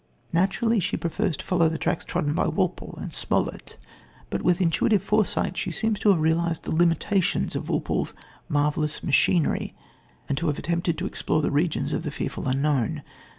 Naturally she prefers to follow the tracks trodden by Walpole and Smollett; but with intuitive foresight she seems to have realised the limitations of Walpole's marvellous machinery, and to have attempted to explore the regions of the fearful unknown.